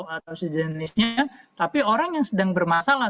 atau sejenisnya tapi orang yang sedang bermasalah